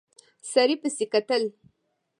سړي پسې کتل.